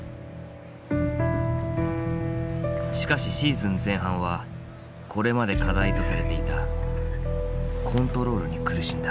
しかしシーズン前半はこれまで課題とされていたコントロールに苦しんだ。